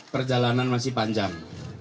perjalanan masih panjang